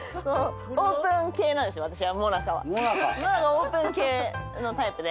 オープン系のタイプで。